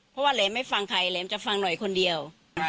เพราะว่าแหลมไม่ฟังใครแหลมจะฟังหน่อยคนเดียว